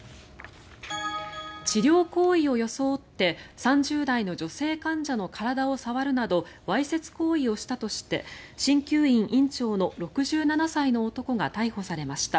治療行為を装って３０代の女性患者の体を触るなどわいせつ行為をしたとして鍼灸院院長の６７歳の男が逮捕されました。